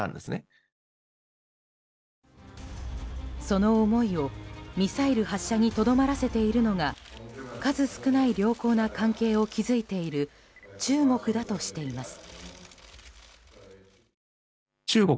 その思いをミサイル発射にとどまらせているのが数少ない良好な関係を築いている中国だとしています。